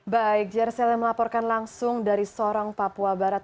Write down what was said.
baik jersi saya melaporkan langsung dari sorong papua barat